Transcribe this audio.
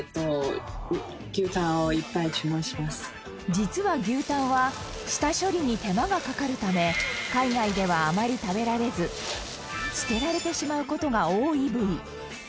実は、牛タンは下処理に手間がかかるため海外では、あまり食べられず捨てられてしまう事が多い部位